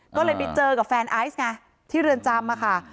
ก็เลยไปเจอกับแฟนไอซ์ไงที่เรือนจำค่ะ